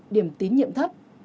điểm tín nhiệm thấp